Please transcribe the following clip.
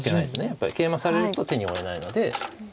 やっぱりケイマされると手に負えないので。